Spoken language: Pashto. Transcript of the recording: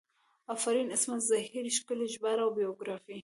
افرین عصمت زهیر ښکلي ژباړه او بیوګرافي